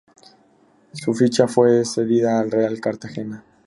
Su ficha fue cedida al Real Cartagena.